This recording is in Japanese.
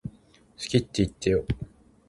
好きって言ってよ